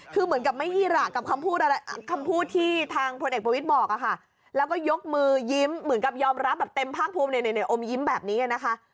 คือเหมือนกับไม่หีรากกับคำพูดที่พลเอกปรณวิสบอกนะคะแล้วก็ยกมือยิ้มเหมือนกับเต็มภาคภูมิแบบนี้นะคะ